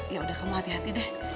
ya udah kamu hati hati deh